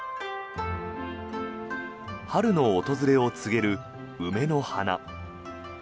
春の訪れを告げる梅の花。